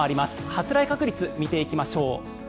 発雷確率見ていきましょう。